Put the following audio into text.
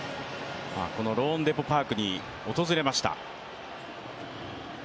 このローンデポ・パークに訪れました。